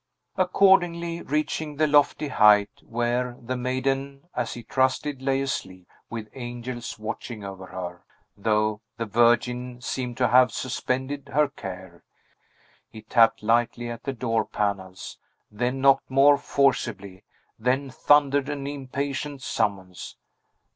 Accordingly, reaching the lofty height where the maiden, as he trusted, lay asleep, with angels watching over her, though the Virgin seemed to have suspended her care, he tapped lightly at the door panels, then knocked more forcibly, then thundered an impatient summons.